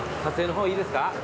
撮影の方いいですか？